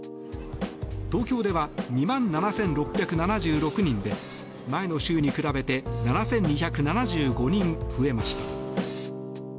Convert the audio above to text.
東京では２万７６７６人で前の週に比べて７２７５人増えました。